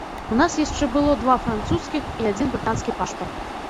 У нас яшчэ было два французскіх і адзін брытанскі пашпарт.